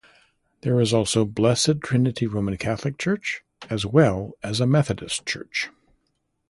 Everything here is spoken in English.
There is also Blessed Trinity Roman Catholic church, as well as a Methodist church.